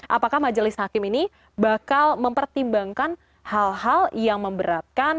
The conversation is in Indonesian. apakah majelis hakim ini bakal mempertimbangkan hal hal yang memberatkan